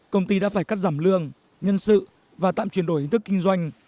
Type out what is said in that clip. công ty đã phải cắt giảm lương nhân sự và tạm chuyển đổi hình thức kinh doanh